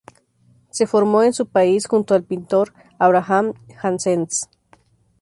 Se formó en su país junto al pintor Abraham Janssens.